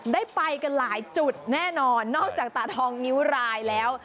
ได้ไปกันหลายจุดแน่นอนนอกจากตาทองนิ้วรายแล้ว